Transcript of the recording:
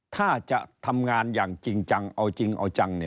ถ้าจะทำงานอย่างจริงจังเอาจริงเอาจัง